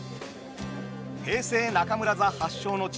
平成中村座発祥の地